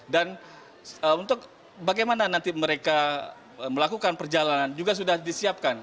dan bagaimana nanti mereka melakukan perjalanan juga sudah disiapkan